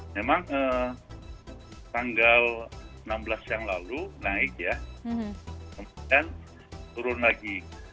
memang tanggal enam belas yang lalu naik ya kemudian turun lagi